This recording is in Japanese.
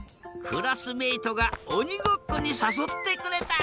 クラスメートがおにごっこにさそってくれた。